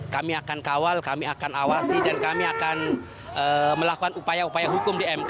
kami akan kawal kami akan awasi dan kami akan melakukan upaya upaya hukum di mk